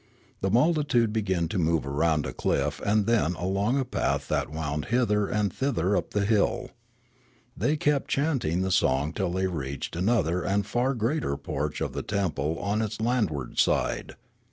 The multitude began to move round a cliff and then along a path that wound hither and thither up the hill. The}' kept chanting the song till they reached another and far greater porch of the temple on its landward side.